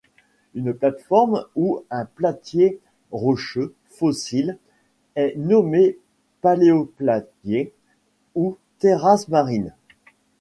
Une plate-forme ou un platier rocheux fossile est nommée paléoplatier ou terrasse marine.